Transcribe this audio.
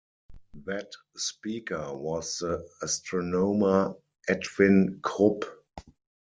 That speaker was the astronomer Edwin Krupp.